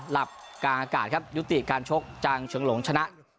หลับกลางอากาศครับยุติการชกจางเชิงหลงชนะ